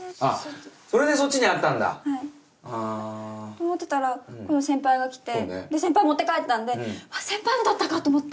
と思ってたら今度先輩が来てで先輩持って帰ったんで「あっ先輩のだったか」と思って。